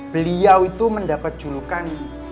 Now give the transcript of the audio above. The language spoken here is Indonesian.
beliau itu mendapat julukan